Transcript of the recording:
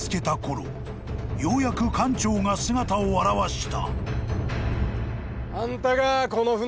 ようやく艦長が姿を現した］